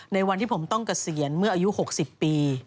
วันที่ผมต้องเกษียณเมื่ออายุ๖๐ปี